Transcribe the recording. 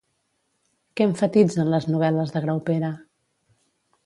Què emfatitzen les novel·les de Graupera?